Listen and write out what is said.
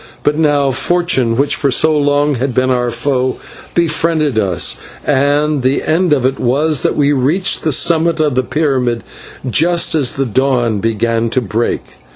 But now fortune, which for so long had been our foe, befriended us, and the end of it was that we reached the summit of the pyramid just as the dawn began to break.